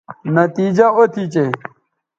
نتیجہ او تھی چہء